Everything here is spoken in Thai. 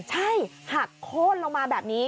ใช่หักโค้นลงมาแบบนี้